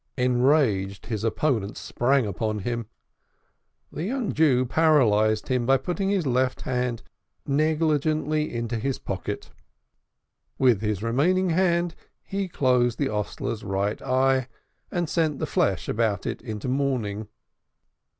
Enraged, his opponent sprang upon him. The young Jew paralyzed him by putting his left hand negligently into his pocket. With his remaining hand he closed the hostler's right eye, and sent the flesh about it into mourning.